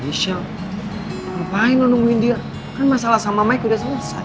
ngapain udah nungguin dia kan masalah sama mike udah selesai